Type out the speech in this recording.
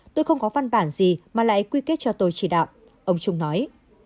tôi không có văn bản gì mà lại quy kết cho tôi chỉ đạo ông trung nói